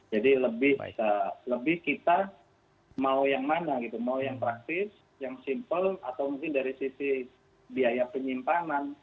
jadi lebih kita mau yang mana gitu mau yang praktis yang simple atau mungkin dari sisi biaya penyimpanan